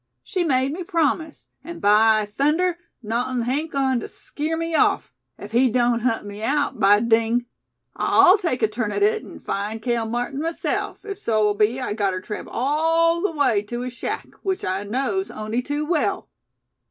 She made me promise; an' by thunder! nawthin' hain't agoin' tew skeer me off. If he doan't hunt me out, by ding! I'll take a turn at hit, an' find Cale Martin myself, ef so be I gotter tramp all the way tew his shack, wich I knows on'y tew well."